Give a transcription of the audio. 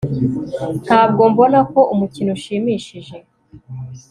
Ntabwo mbona ko umukino ushimishije